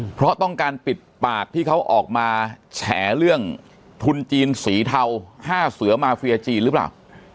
เพราะต้องการปิดปากที่เขาออกมาแฉเรื่องทุนจีนสีเทา๕เสือมาเฟียจีนหรือเปล่า